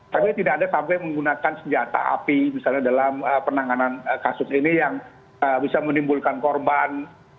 tapi tidak ada sampai menggunakan senjata api misalnya dalam penanganan kasus ini yang bisa menimbulkan korban